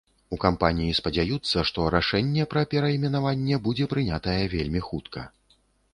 У кампаніі спадзяюцца, што рашэнне пра перайменаванне будзе прынятае вельмі хутка.